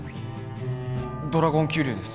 ドラゴン急流です